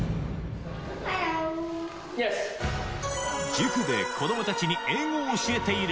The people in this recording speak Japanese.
塾で子供たちに英語を教えている